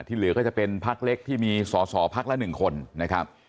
เหลือก็จะเป็นพักเล็กที่มีสอสอพักละ๑คนนะครับ